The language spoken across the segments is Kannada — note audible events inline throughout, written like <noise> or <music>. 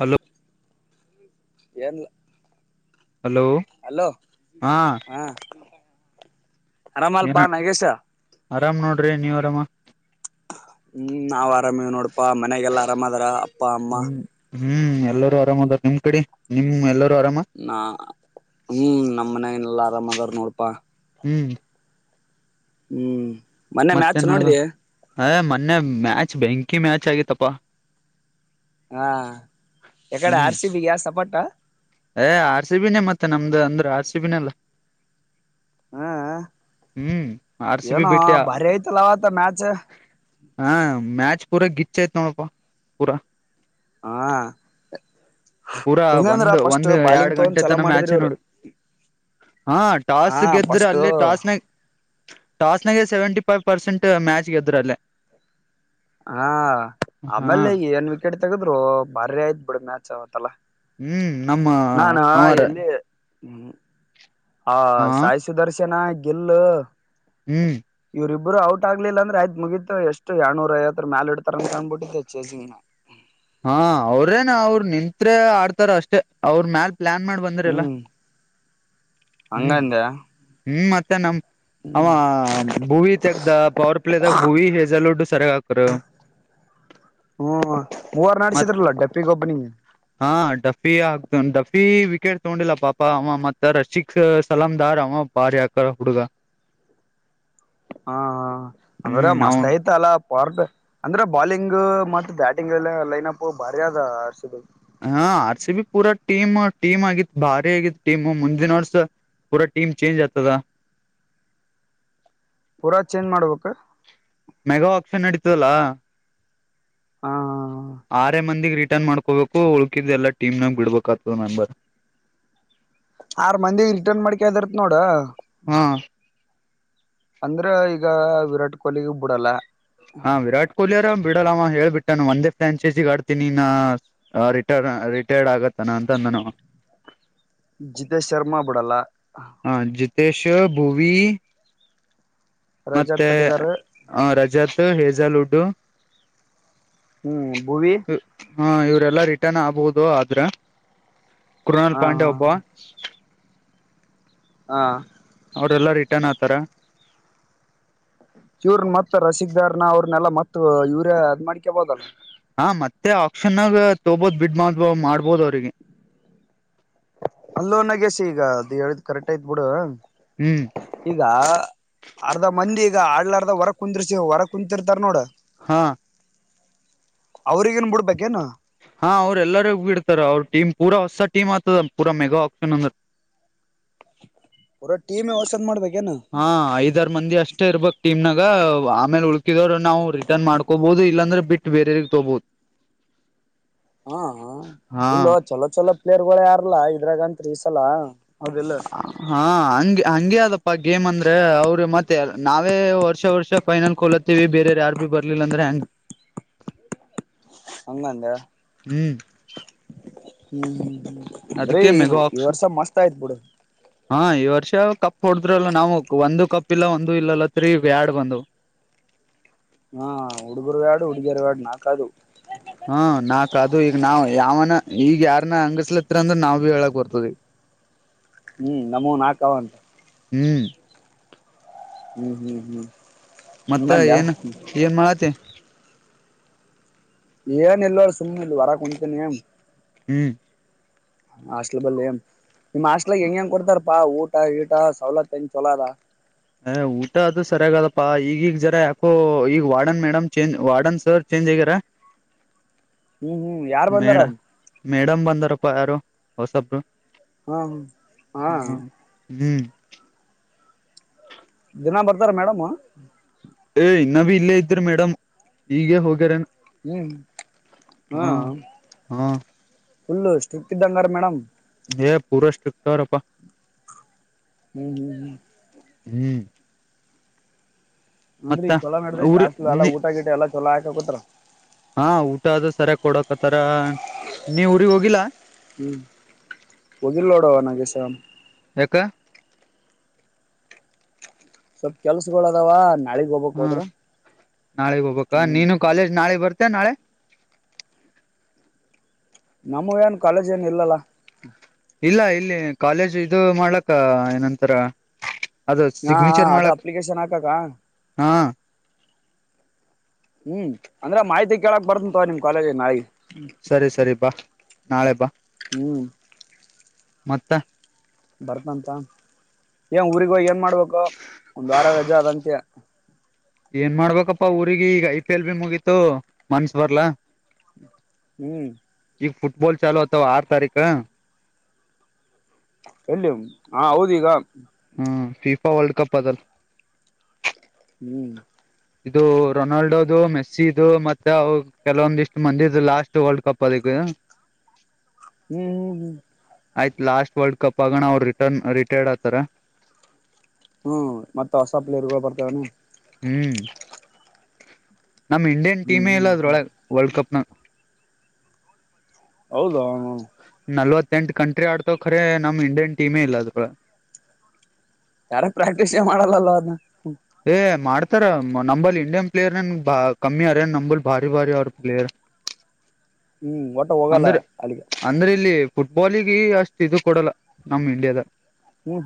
ಹಲೋ ಏನ್ ಹಲೋ ಅಲೋ ಹಾ ಏನ ಹರಾಮಾಲ್ಪಾ ನಾಗೇಶ ಆರಾಮ್ ನೋಡ್ರಿ ನೀವ್ ಆರಾಮ ಹ್ಮ್ ನಾವ್ ಆರಾಮವ್ ನೋಡಪಾ ಮನ್ಯಾಗಲ್ಲ ಆರಾಮ್ದಾರ ಅಪ್ಪ ಅಮ್ಮ ಹ್ಮ್ ಹ್ಮ್ ಎಲ್ಲರೂ ಆರಾಮ ಅದ ನಿಮ್ ಕಡೆ ನಿಮ್ ಎಲ್ಲರೂ ಆರಾಮ ನಾ ಹ್ಮ್ ನಮ್ಮ ಮನ ನೆಲ್ಲಾ ಆರಾಮ್ದಾರ ನೋಡಪಾ ಹ್ಮ್ ಹ್ಮ್ ಮೊನ್ನೆ ಮ್ಯಾಚ್ ಮತ್ತೆನ್ಡ್ ನೋಡಿದಿ ಅ ಮೊನ್ನೆ ಮ್ಯಾಚ್ ಬೆಂಕಿ ಮ್ಯಾಚ್ ಆಗಿತಪ್ಪ ಹಾ ಎಕಡೆ ಹ್ಮ್ ಆರ್ ಸಿಬಿಗೆ ಸಪಟ್ಟಾ ಏ ಆರ್ ಸಿಬಿನೇ ಮತ್ತೆ ನಮ್ದು ಅಂದ್ರೆ ಆರ್ ಸಿಬಿನಲ್ಲಾ <unintelligible> ಹ್ಮ ಹ್ಮ್ ಆರ್ ಸಿ ಬಿ ಏನೋ ಬಿಟ್ಟಿ ಭಾರಿ ಐತಲ್ಲ ಅವತ ಮ್ಯಾಚ ಹಾ ಮ್ಯಾಚ್ ಪೂರಾ ಗಿಚ್ಯ್ತ್ ನೋಡಪ್ಪ ಪೂರಾ ಹಾ ಪೂರಾ ಹೆಂಗಂದ್ರ ಒಂದ್ ಫಸ್ಟ್ ಒಂದ್ ಎರಡು ಬಾಲಿಂಗ್ ತಗೊಂಡ್ ಗಂಟೆ ಚಲೋ ತನ ಮಾಡಿದ್ರಿ ಮ್ಯಾಚೇ ಇವ್ರು ನೋಡು ಹಾ ಹಾ ಟಾಸ್ ಗೆದ್ರೆ ಫಸ್ಟ್ ಅಲ್ಲಿ ಟಾಸ್ನಾಗ ಟಾಸ್ನಾಗ ಸೆವೆಂಟ ಫೈವ್ ಪರ್ಸೆಂಟ್ ಮ್ಯಾಚ್ ಗೆದ್ರಲ್ಲಲ್ಲಿ ಹಾ ಹಾ ಆಮೇಲೆ ಏನ್ ವಿಕೆಟ್ ತಗದ್ರು ಬಾರಿ ಆಯ್ತ್ ಬಿಡಿ ಮ್ಯಾಚ್ ಅವತ್ತಲ್ಲಾ ಹ್ಮ್ ನಮ್ಮ ನಾನು ಅವಾರ ಎಲ್ಲಿಮ ಹಾ ಸಾಯಿ ಸುದರ್ಶನ ಗೆಲ್ಲು ಹ್ಮ್ ಇವ್ರರಿಬ್ಬರು ಔಟ್ ಆಗ್ಲಿಲ್ಲ ಅ್ರ ಆಯ್ ಮುಗಿತ ಎಷ್ಟು ಎಡ್ನೂ ಐವರ ಮೇಾಲ ಇಡ್ತಾರ ಅ ಕ್ಬಿಟ್ಟಿದ್ದ ಚೇಸಿಂಗ್ ಹಾ ಅವ್ರೇನ ಅವ್ರ ನಿಂತ್ ಆಡ್ತಾರ ಅಷ್ಟೇ ಅವ್ರ ಮ್ಯಲ್ ಪ್ಲಾನ್ ಮಾಡಿ ಬಂದ್ರಲ್ಲ ಹ್ಮ್ ಹ್ಮ್ ಹಂಗಂದೆ ಹ್ಮ್ ಮತ್ತೆ ನಮ ಅಮ್ಮ ಹ್ಮ್ ಭೂವಿ ತೆಗ್ದ ಪವರ್ ಪ್ಲೇದಾಗ ಭೂವಿ ಹೆಜಲ್ಡ್ ಸರಿಯಾಗ ಹಾಕರು ಹ್ಮ ಮೂವರ್ ಮತ್ ನಡ್ಸಿದ್ರಲ್ಲ ಡೆಪ್ಪಿ ಗೊಬ್ಬನಿಗೆ ಹಾ ಡಫಿ ಆಗ್ತ ಡಫಿ ವಿಕೆಟ್ ತಗೊಂಡಿಲ್ಲ ಪಾಪ ಅವ ಮತ್ತ ರಶಿಕ್ ಸಲಾಮ ದಾರ್ ಅವ ಭಾರಿ ಆಕ್ಕರ ಹುಡುಗ ಹಾ ಹಾ ಅಂದ್ರೆ ಹ್ಮ್ ಮಸ್ತ್ ಅವನ್ ಆಯ್ತ ಅಲ್ಲ ಪಾರಟ್ ಅಂದ್ರೆ ಬಾಲಿಂಗ್ ಮ ಬ್ಯಾಟಿಂಗ್ ಎಲ್ಲ ಲೈನ್ ಅಪ್ ಬಾರಿದ್ ಅಸಿದ ಹ ಆರ್ ಸಿ ಬಿ ಪೂರ ಟೀಮ್ ಟೀಮ್ ಆಗಿತ್ ಭಾರಿ ಆಗಿತ್ ಟೀಮ್ ಮುಂದಿನ ವರ್ಷ ಪೂನ ಟಮ ಚೇಂಜ ಆತ ಪೂರಾ ಚೇಂಜ್ ಮಾಡ್ಬೇಕ ಮೆಗಾ ಆಪ್ಷನ್ ನಡೀತದಲ್ಲಾ ಹಾ ಆರ ಮಂದಿಗ್ ರಿಟರ್ನ್ ಮಾಡ್ಕೋಬೇಕು ಉಳ್ಕಿದ್ ಎಲ್ಲ ಟೀಮ್ನಾಗ ಬಿಡ್ಬೇಕಾಗ್ತದ ಮೆಂಬರ್ ಆರ್ ಮಂದಿಗ್ ರಿಟರ್ನ್ ಮಾಡ್ಕದರತ್ ನೋಡ ಹಾ ಅಂದ್ರೆ ಈಗ ವಿರಾಟ್ ಕೊಹ್ಲಿಗ ಬಿಡಲ್ಲ. ಹಾ ವಿರಾಟ್ ಕೊಹ್ಲಿ ಅವಾರ ಬಿಡಲ್ಲವ ಹ ಹೇಳಳ್ಬಿಟ್ಟಾನ ಒಂದೇ ಫ್ರಾಂಚೈಸಿಗ ಆಡ್ತೀನಿ ನಿನ್ ಆ ರಿಟರ್ ರಿಟೈರ್ಡ್ ಆಗತ್ತಾನ ಅಂತ ಅಂದಾನ ಜಿತೇಶ್ ಶರ್ಮಾ ಬಿಡಲ್ಲ. ಹಾ ಜಿತೇಶ್ ಭೂವಿ ರಜಾತ್ ಮತ್ತೆ ಪಟ್ಟಿದಾರ್ ರಜತ್ ಹೇಜಲ್ ಉಡ್ಡು ಹ್ಮ್ ಭುವಿ ಹಾ ಇವರೆಲ್ಲಾ ರಿಟರ್ನ್ ಆಗ್ಬಹುದು ಆದ್ರೆ ಕೃನಾಲ್ ಹಾ ಪಾಂಡೆ ಒಬ್ಬವ ಹಾ ಅವ್ರೆಲ್ಲಾ ರಿಟರ್ನ್ ಆತಾರ ಇವ್ರನ್ ಮತ್ತ ರಸಿಕದಾರ್ನ ಅವ್ರನೆೆಲ್ಲ ಮತ್ ಯೂರಿಯಾ ಅದ್ ಮಾಡ್ಕಬೋದಲ್ಲಾ ಹಾಂ ಮತ್ತೆ ಆಪ್ಕ್ಷನ್ನಾಗ ತೊಬೋದು ಬಿಡು ಮಾಡಬೋ ಮಾಡ್ಬೋದು ಅವರಿಗೆ ಅಲ್ಲೋ ನಾಗ್ಯಸಿ ಈಗ ಅದು ಹೇಳಿದ ಕರೆಕ್ಟ್ ಆಯತ್ ಬಿಡು ಹು ಈಗ ಅರ್ಧ ಮಂದಿ ಈಗ ಆಡ್ಲರ್ಧ ಹೊರಗ ಕುಂದಿರ್ಸ ಹೊರಗ ಕುಂತಿರ್ತಾರ ನೋಡ ಹಾ ಅವ್ರಿಗೇನ್ ಬಿಡ್ಬೇಕೇನು. ಹಾ ಅವ್ರೆಲ್ಲರೂ ಹೋಗ ಬಿಡ್ತಾರ ಅವ್ರ ಟೀಮ್ ಪೂರ ಹೊಸ ಟೀಮ್ ಆತದ ಪೂರ ಮೆಗಾ ಆಪ್ಷನ್ ಅಂದ್ರ ಪುರ ಟೀಮ್ ವಷಂದ ಮಾಡ್ಬೇಕ ಏನು ಹಾ ಐದರು ಮಂದಿ ಅಷ್ಟೇ ಇರ್ಬಕ್ ಟೀಮ್ನಾಗ ಆಮೇಲೆ ಉಳಕಿದವ್ರು ನಾವು ರಿಟರ್ನ್ ಮಾಡ್ಕೋಬಹುದು ಇಲ್ಲಾಂದ್ರೆ ಬಿಟ್ಟ ಬೇರೆ ತೊಬುದು ಹಾ ಹ ಹಾ ಇಲ್ಲೋ ಚಲೋ ಚಲೋ ಪ್ಲೇಯರ್ ಗಳು ಯಾರಲ್ಲ ಇದ್ರಾಗಂತ್ರಿ ಈ ಸಲ ಹೌದಿಲ್ಲ ಹಾ ಹಂಗೆ ಹಂಗೆ ಅದಪ್ಪ ಗೇಮ್ ಅಂದ್ರೆ ಅವರು ಮತ್ತೆ ನಾವೇ ವರ್ಷ ವರ್ಷ ಫೈನಲ್ ಕಲ ವಿ ಬೇರೆ ಯಾರ ಭ ಬರ್ಲಿಲ್ಲಂದ್ರೆ ಹೆಂಗ್ <unintelligible> ಹಂಗಂದ ಹ್ಮ್ ಹ್ಮ್ ಅಂದ್ರೆ ಅದಕ್ಕೆ ಈ ಮೆಗಾ ಆಪ್ಷನ್ ವರ್ಷ ಮಸ್ತ್ ಆಯ್ತ್ ಬಿಡು ಹಾ ಈ ವರ್ಷ ಕಪ್ ಹೊಡದ್ರಲ್ಲ ನಾವು ಒಂದು ಕಪ್ ಇಲ್ಲ ಒಂದು ಇಲ್ಲಲ್ಲ ತ್ರೀ ಬ್ಯಾಡ್ ಬಂದವ ಹ ಹುಡುಗರು ಎಡ ಹುಡಿಗಿಯರವ ಎಡ ನಾಕ್ ಅದಾವ್ ಹ್ಮ ನಾಕ್ ಅದು ಈಗ ನಾವ್ ಯಾವನ ಈಗ ಯಾರನ್ನ ಅಂಗಸ್ಲತ್ ಅಂದ್ರ ನಾವ್ ಭೀ ಹೇಳಕ್ ಬರ್ತದ ಈಗ ಹ್ಮ್ ನಮವ ನಾಕ ಅವ ಅಂತ ಹ್ಮ್ ಹ್ಮ್ ಹ್ಮ್ ಹ್ಮ್ ಮತ್ತ ಹಂಗಂದ್ಯಾ ಏನ್ ಏನ್ ಮಾಡತ್ತಿ ಏನು ಇಲ್ಲ ಸುಮ್ಮನೆ ಇಲ್ಲ ಹೊರಗ ಕುಂತಿನಿ ಹ್ಮ್ ಹಾಸ್ಟ್ಲ್ ಬಲ್ಲಿ ನಿಮ್ ಹಾಸ್ಟ್ಲಗ ಹೆಂಗ ಹೆಂಗ ಕೊಡ್ತಾರಪಾ ಊಟ ಗೀಟ ಸವಲತ್ತು ಹೆಂಗ್ ಚಲೋದ ಅ ಊಟ ಅದು ಸರಿಯಾಗದಪ್ಪಾ ಈಗ ಈಗ ಜರಾ ಯಾಕೋ ಈಗ warden madam change warden sir change ಆಗ್ಯಾರ <inaudible> ಹ್ಮ್ ಹ್ಮ್ ಯಾರ್ ಬಂದಾರ ಮೇಡ ಮೇಡಂ ಬಂದಾರಪ್ಪ ಯಾರು ಹೊಸಬ್ರು ಹ್ಮ ಹ್ಮ ಹಾ ಹ್ಮ ಹ್ಮ್ ದಿನ ಬರ್ತಾರ ಮೇಡಮ್ ಏ ಇನ್ನ ಭೀ ಇಲ್ಲೇ ಇದ್ರ ಮೇಡಂ ಈಗ ಹೋಗ್ಯಾರನ್ ಹ್ಮ್ ಹ ಹಾ ಫುಲ್ಲ ಸ್ಟ್ರಿಕ್ ಇದ್ದಂಗಾರ ಮೇಡಮ್ ಪೂರ ಸ್ಟ್ರಕ್ಟರ್ಪ್ಪ ಹ್ಮ್ ಹ್ಮ್ ಹ್ಮ್ ಅಂದ್ರ ಮತ್ತ ಈಗ ಚಲ ಮಾಡ್ರ ಊರಿ ಟಾಸ್ ಎಲ್ಲ ನೀ ಊಟ ಗಿಟ ಎಲ್ಲ ಚಲ ಹಾಕತ್ರ ಹಾ ಊಟ ಅದು ಸರಿಯ ಕೊಡಕ್ತ್ತಾರ ಇನ್ನೇ ಊರಿಗ್ ಹೋಗಿಲ್ಲಾ ಹ್ಮ್ ಒಗಿಲೋಡು <unintelligible> ಎಕ್ಕ ಸ್ವಲ್ಪ ಕೆಲ್ಸಗಳು ಅದಾವ ನಾಳಿಗ್ ಹೋಗ್ಬೇಕ್ ಹಾ ಹೋದ್ರ ನಾಳೆಗ್ ಹೋಗ್ಬ ಹ್ಮ್ ನೀನು ಕಾಲೇಜ್ ನಾಳೆ ಬರ್ತಯ ನಾಳೆ ನಮ ಏನ್ ಕಾಲೇಜ್ ಏನ್ ಇಲ್ಲಾ ಇಲ್ಲ ಇಲ್ಲಿ ಕಾಲೇಜ್ ಇದು ಮಾಡ್ಲಕ್ಕ ಏನಂತರ ಅದ ಹಾ ಹಾ ಸಿಗ್ನಿಚರ್ ಅದ ಮಾಡಕ್ ಅಪ್ಲಿಕೇಶನ್ ಹಾಕಕ ಹಾ ಹ್ಮ್ ಅಂದ್ರೆ ಮಾಹಿತಿ ಕೇಳಕ್ ಬರ್ತಂಂತ ನಿಮ್ ಕಾಲೇಜ ನಾಳ ಸರಿ ಸರಿ ಬಾ ನಾಳೆ ಬಾ ಹ್ಮ್ ಮತ್ತ ಬರ್ತಂತ ಏ ಊರಿಗ ಹೋಗ ಏನ್ ಮಾಡ್ಬೇಕು ಒಂದ್ ವಾರ ರಜೆ ಆದದಂತೆ ಏನ್ ಮಾಡ್ಬೇಕಪ್ಪಾ ಊರಿಗೆ ಈಗ ಐ ಪಿ ಎಲ್ ಬಿ ಮುಗೀತು ಮನ್ಸ್ ಬರ್ಲಾ ಹ್ಮ್ ಈಗ ಫುಟ್ಬಾಲ್ ಚಲು ಅತವಾ ಆರು ತಾರೀಕ ಎಲ್ಲಿ ಹಾ ಹೌದೀಗ ಹ್ಮ್ ಫಿಫಾ ವರ್ಲ್ಡ್ ಕಪ್ ಅದಲ್ ಹ್ಮ್ ಇದು ರೊನಾಲ್ಡೊದು ಮೆಸ್ಸಿ ಇದು ಮತ್ತೆ ಅವ ಕೆಲವೊಂದಿಷ್ಟ್ ಮಂದಿ ಇ ಲಾಸ್ಟ್ ವರ್ಲ್ಡ್ ಕಪ್ ಅದ ಹ್ಮ್ ಹ್ಮ್ ಹ್ಮ್ ಆಯ್ತ್ ಲಾಸ್ಟ್ ವರ್ಲ್ಡ್ ಕಪ್ ಆಗಣ ಅವ್ ರಿಟರ್ನ್ ರಿಟೈರ್ಡ್ ಆತಾರ ಹ್ಮ್ ಮತ್ತ ಹೊಸ ಪ್ಲೇಯರ್ ಗಳು ಬರ್ತಾವನನೆ ಹ್ಮ್ ನಮ್ ಇಂಡಿಯನ್ ಹ್ಮ್ ಟೀಮೇ ಇಲ್ಲ ಹ್ಮ್ ಅದ್ರ ಹ್ಮ್ ಒಳಗೆ ವರ್ಲ್ಡ್ ಕಪ್ನ ಹೌದ ಹ ನಲ್ವತ್ತಂಟ್ ಕಂಟ್ರಿ ಆಡ್ತ ರೇ ನಮ್ ಇಂಡಿಯನ್ ಟೀಮೇ ಇಲ್ಲ ಅದ್ರ ಯಾರ ಪ್ರಾಕ್ಟೀಸ್ೇ ಮಾಡೋಲ್ಲವ ಅದನ್ನ ಏ ಮಾಡ್ತಾರ ನಂಬಲ್ಲಿ ಇಂಡಿಯನ್ ಪ್ಲೇಯರ್ ಏನ್ ಬಾ ಕಮ್ಮಿ ಅರೇ ನಂಬಲ್ ಭಾರಿ ಭಾರಿ ಅವ್ರ ಪ್ಲೇಯರ್ ಹ್ಮ್ ಒಟ್ಟು ಹೋಗಲ್ಲ ಅಂದ್ರ ಅಲ್ಲಿಿಗೆ ಅಂದ್ರೆ ಇಲ್ಲಿ ಫುಟ್ಬಾಲಿಗೆ ಅಷ್ಟು ಇದು ಕೊಡಲ್ಲ ನಮ್ ಇಂಡಿಯಾದ ಹ್ಮ್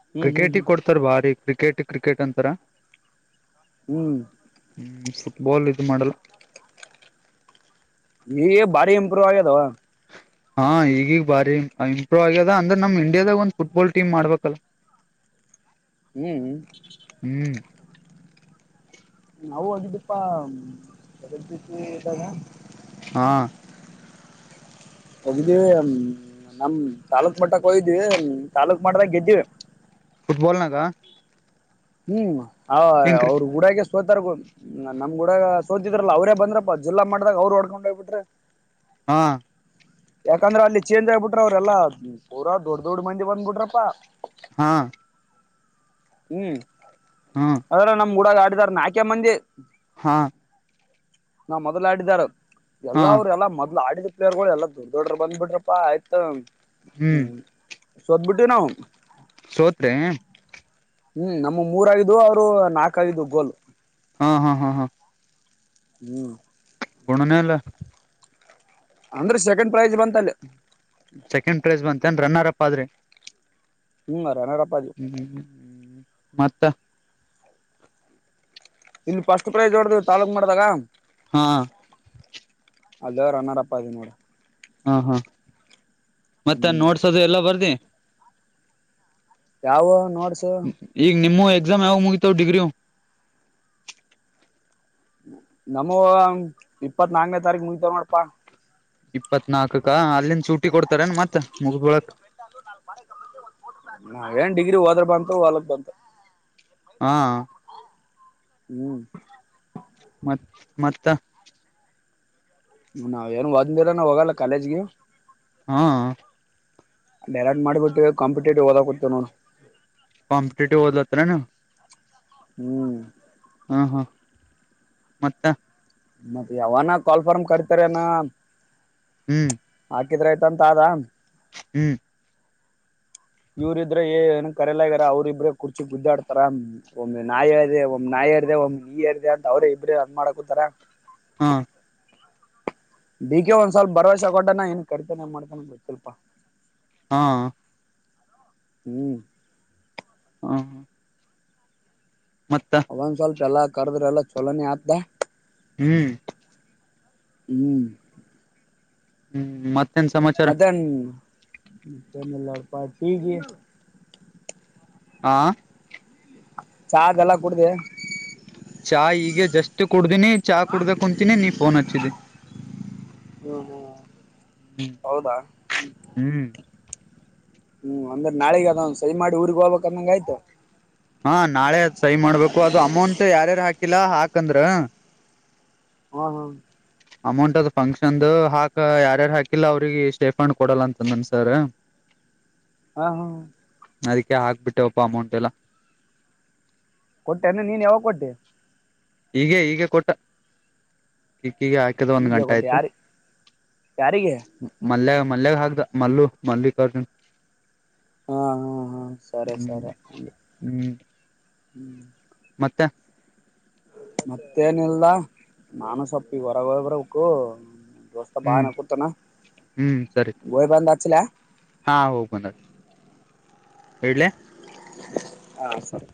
ಹ್ಮ್ ಹ್ಮ್ ಹ್ಮ್ ಕ್ರಿಕೆಟಿ ಕೊಡ್ತಾರ ಭಾರಿ ಕ್ರಿಕೆಟ ಕ್ರಿಕೆಟ್ ಅಂತಾರ ಹ್ಮ್ ಹ್ಮ್ ಫುಟ್ಬಾಲ್ ಇದು ಮಾಡಲ್ಲ ಈಗ ಭಾರಿ ಇಂಪ್ರೂವ್ ಆಗ್ಯದಾವ ಹಾ ಈಗೀಗ್ ಭಾರಿ ಇಂಪ್ರೂವ್ ಆಗ್ಯದ ಅಂದ್ರ ನಮ್ ಇಂಡಿಯಾಗ ಒಂದ ಫುಟ್ಬಾಲ್ ಟೀಮ್ಬೇಕಲ್ಲ ಹ್ಮ್ ಹ್ಮ್ ನವು ಹಗಿದ್ದೀಪ್ಪಾತಿ ಇದಾಗ ಹಾ ಹೋಗಿದ್ದೀವಿ ನಮ್ ತಾಲೂಕ್ು ಮಟ್ಟಕ್ಕೆ ಹೋಗಿದೀವಿ ತಾಾಲೂಕ್ು ಮಟ್ಟದಾಗ ಗೆದ್ದೀವಿ ುಟ್ಬಾಲ್ ನಕಾ ಹ್ಮ್ ಹೆಂಗ್ ಕ್ರಿ ಅವ್ರ ಹೂಡಾಗ ಸೋತಾರ್ಗು ನಮ್ ಗುಡಗ ಸೋತಿದ್ರಲ್ಲ ಅವ್ರ ಬಂದ್ರಪ್ಪ ಜಿಲ್ಲಾ ಮಾಡ್ದಾಗ ಅವ್ರು ಹೊಡ್ಕೊಂಡ ಹೋಗ್ಬ ಬಿಟ್ರಿ ಹಾ ಯಾಕಂದ್ರ ಅಲ್ಲಿ ಚೇಂಜ್ ಆಗಿಬ ಬಿಟ್ರ ಅವ್ರಲ್ಲ ಪೂರ ದೊಡ್ ದೊಡ್ಡ ಮಂದಿ ಬಂದ್ಬಿಟ್ರಪ್ಪಾ ಹಾ ಹ್ಮ್ ಹಾ ಅದ್ರ ನಮ್ ಗುಡಾಗ ಆಡಿದಾರ ನಾಲ್ಕೆ ಮಂದಿ ಹಾ ನಾ ಮೊದ್ಲ ಆಡಿದಾರ ಹಾ ಎಲ್ಲರು ಎಲ್ಲಾ ಮೊದ್ಲು ಆಡಿದ ಪ್ಲೇರ್ ಎಲ್ಲಾ ದೊಡ್ ದೊಡ್ಡರ್ ಬಂದ್ಬಿಟ್ರಪ್ಪಾ ಆಯ್ತ ಹ್ಮ್ ಸೋದಬಿಟ್ಟಿ ನಾವು ಸೋತ್ ಹ್ಮ್ ನಮ್ಮ ಮೂರ ಆಗಿದ್ದು ಅವ್ರು ನಾಕ್ಾಗಿದ್ದು ಗೋಲ್ ಹಾ ಹಾ ಹಾ ಹಾ ಹ್ಮ್ ಬುಣನ ಎಲ್ಲ ಅಂದ್ರೆ ಸೆಕೆಂಡ್ ಪ್ರೈಜ್ ಬಂತಲ್ಲ ಸೆಕೆ್ ಪ್ರೈಸ್ ಬಂತಏನ್ ರನ್ನರ್ ಅಪ್ ಆದ್ರೆ ಹ್ಮ ರನಾರಪ್ಪ ಅಿ ಮತ್ತ ಇಲ್ಲಿ ಫಸ್ಟ್ ಪ್ರೈಜ್ ಹೊಡ್ದ ತಾಾಲೂಕ್ ಮಾಡ್ದಾಗ ಹಾ ಅದ ರನರ್ಪ್ಪ ಅ ನೋಡ ಹಾ ಹಾ ಮತ್ತನ್ ಹ್ಮ್ ನೋಡ್ಸೋದು ಎಲ್ಲ ಬರ್ದಿ ಯಾವ ನೋಡ್ಸು ಈಗ ನಿಮ್ಮ ಎಕ್ಸಾಮ್ ಯಾವಾಗ ಮುಗಿತವ ಡಿಗ್ರಿವು ನಮ್ಮ ಇಪ್ಪತ್ ನಾಕನೇ ತಾರೀಕಿಗೆ ನಡಿತಾವ ನೋಡಪಾ ಇಪ್ಪತ್ನಾಲ್ಕಕ ಅಲ್ಲಿಂದ ಚೂಟಿ ಕೊಡ್ತಾರನ್ ಮತ್ತತ್ ಮುಗ್ದೊಳಕ್ ನಾವ ಏನ್ ಡಿಗ್ರಿ ಹೋದ್ರ ಬಂತ ಹಲಕ್ ಬಂತ ಹಾ ಹ್ಮ ಮತ್ ಮತ್ತ ನಾವ ಏನು ಒಂದ್ ದಿನಾನೂ ನ ಹೋಗಲ್ಲ ಕಾಲೇಜ್ಗೆ ಹಾ ಡೈರೆಕ್ಟ್ ಮಾಡಿ ಬಿಟ್ಟ್ವಿ ಕಂಪೀಠಟ್ಟಿವ್ ಒದಾಕತ್ತಿವಿ ನೋಡ ಕಂಪಿಟೇಟಿವ್ದಲತ್ರ ನ ಹ್ಮ್ ಹಾ ಹಾ ಮತ್ತೆ ಮತ್ತೆ ಯಾವಾನ ಕಾಲ್ ಫಾರ್ ಕಡತಾರನಾ ಹ್ಮ್ ಹಾಕಿದ್ರೆ ಆಯ್ತ ಅಂತ ಅಾ ಹ್ಮ್ ಇವ್ರ ಇದ್ರ ಏ ಏನ್ ಕರಲಗಾರ ಅವ್ರರುಬ್ರೆ ಕುರ್ಚಿ ಗುದ್ದಾಡ್ತಾರ ಒಮ್ ನಾಯಿ ಇ್ದ ಒಮ್ ನಾಯಿ <unintelligible> ಒಂದ್ ಈ ಇರ್ಿದೆ ಅಂತ ಅವ್ರೇ ಇಬ್್ರರು ಅನ್ ಮಾಡಾಕೂತಾರ ಹಾ ಡಿ ಕೆ ಒಂದ ಸ್ವಲ್ಪ ಭರವಸೆ ಕೊಟ್ಟಾನ ಏನ್ ಕರಿತಾನ ಏನ್ ಮಾಡ್ತಾನ ಗೊತ್ತಿಲಪ್ಪ. ಹಾ. ಹ್ಮ್. ಹಾ. ಮತ್ತ. ಒಂದ್ ಸ್ವಲ್ಪ ಎಲ್ಲಾ ಕರ್ದ್ರ ಎಲ್ಲ ಚಲೋನೇ ಆಗ್ತದ. ಹ್ಮ್. ಹ್ಮ್. ಹ್ಮ್ ಮತ್ ಮತ್ತೇನ್ ಮತ್ತೇನ ಇಲ್ಲಪ್ಪಾ ಪಿಜಿ. ಹಾ. ಚಾ ಅದ ಎಲ್ಲಾ ಕುಡ್ದಿ. ಚಾ ಈಗ ಜಸ್ಟ್ ಕುಡ್ದಿನಿ ಚಾ ಕುಡ್ದ ಕುಂತೀನಿ ನೀ ಫೋನ್ ಹಚ್ಚಿದಿ. ಹ್ಮ್ ಹ್ಮ್ ಹೌದಾ. ಹ್ಮ್ ಹ್ಮ್ ಅಂದ್ರೆ ನಾಳಗ ಅದ್ ಸರಿ ಮಾಡಿ ಊರ್ಗ್ ಹೋಗ್ಬೇಕಂದಂಗ ಆಯ್ತು. ಹಾ ನಾಳೆ ಸಯ ಮಾಡ್ಬೇಕು ಅದು ಅಮೌಂಟ್ ಯಾರ್ಯಾರು ಹಾಕಿಲ್ಲ ಹಾಕಂದ್ರ. ಹ್ ಹ. ಅಮೌಂಟ್ ಅದು ಫಂಕ್ಷನ್ ಹಾಕ ಯಾರಾರ ಹಾಕಿಲ್ಲ ಅವ್ರಿಗೆ ಸೇಫಂಡ್ ಕೊಡಲ್ಲ ಅಂತ ಅಂದಾನ ಸರ್. ಹಾ ಹಾ. ಅದಕ್ಕೆ ಹಾಕ್ಬಿಟ್ಟೆವಪ್ಪ ಅಮೌಂಟ್ ಎಲ್ಲ. ಕೊಟ್ಟ ನಿನ್ ನೀನ್ ಯಾವಾಗ ಕೊಟ್ಯ. ಈಗ ಈಗೆ ಕೊಟ್ಟೆ. ಕಿಕ್ಕಿಗೆ ಹಾಕದ ಒಂದ್ ಈಗ ಗಂಟ ಕೊಟ್ಟೆ ಆಯ್ತು. ಯಾರಿ ಯಾರಿಗೆ ಮಲ್ಯಾಗ ಮಲ್ಯಾಗ ಹಾಕ್ದೆ ಮಲ್ಲು <unintelligible> ಹಾ ಹಾ ಹಾ ಸರಿ ಸರಿ ಹ್ಮ್. ಮತ್ತ. ಮತ್ತ ನಿಲ್ಲ ನಾನು ಸೊಪ್ಪಿ ಹೊರಗ ಹೋಗಿ ಬರ್ಬೇಕು ದೋಸ್ ಬಾ ಹ್ಮ್ ಅನ್ನಾಕತ್ತಾನು ಹ್ಮ್ ಸರಿ ಹೋಗ್ ಬಂದ ಹಚ್ಚಲ್ಯಾ. ಹಾ ಹೋಗ ಬಂದ ಹಚ್ಚ ಇಡ್ಲಿ. ಹಾ ಸರಿ.